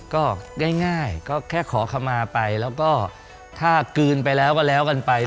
ก็ง่ายก็แค่ขอคำมาไปแล้วก็ถ้ากลืนไปแล้วก็แล้วกันไป